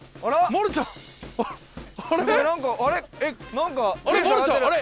何かあれ？